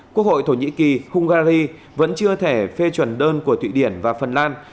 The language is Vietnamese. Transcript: quốc hội thổ nhĩ kỳ hungary vẫn chưa thể phê chuẩn đơn của thụy điển và phần lan